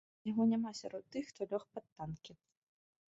Яго няма сярод тых, хто лёг пад танкі.